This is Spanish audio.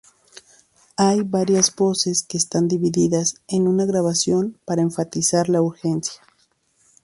Hay varias voces que están divididas en una grabación para enfatizar la urgencia.